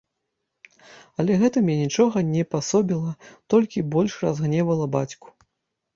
Але гэтым я нічога не пасобіла, толькі больш разгневала бацьку.